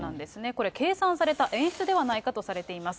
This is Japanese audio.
これ、計算された演出ではないかとされています。